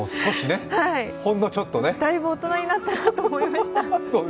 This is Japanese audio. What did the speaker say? だいぶ大人になったなと思います。